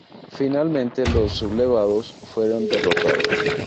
Finalmente los sublevados fueron derrotados.